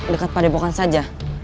dekat padepukan saja